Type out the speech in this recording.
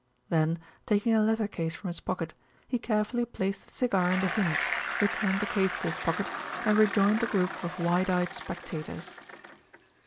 Then, taking a letter case from his pocket, he carefully placed the cigar in the hinge, returned the case to his pocket, and rejoined the group of wide eyed spectators.